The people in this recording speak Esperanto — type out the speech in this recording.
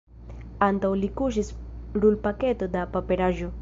Antaŭ li kuŝis rulpaketo da paperaĵo.